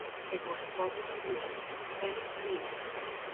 It was formerly known as Fanning Field.